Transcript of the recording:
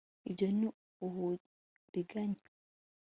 ibyo ni uburiganya